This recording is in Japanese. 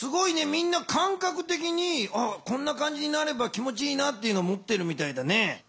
みんなかんかくてきにこんな感じになれば気もちいいなっていうのもってるみたいだね。